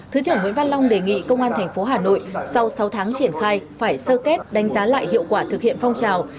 thứ trưởng nguyễn văn long đề nghị công an tp hà nội sau sáu tháng triển khai phải sơ kết đánh giá lại hiệu quả thực hiện phong trào